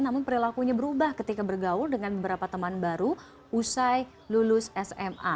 namun perilakunya berubah ketika bergaul dengan beberapa teman baru usai lulus sma